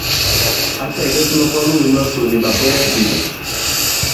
Ǎ tɛ̀gɛs mabwalo mē masò nì ɓàbwɛɛ ɓē.